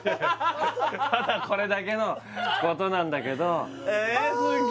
ただこれだけのことなんだけどえーっ